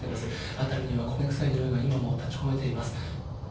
辺りには、焦げ臭いにおいが今も立ちこめています。